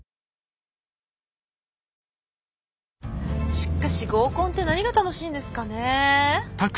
しかし合コンって何が楽しいんですかね。